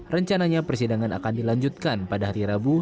rencananya persidangan akan dilanjutkan pada hari rabu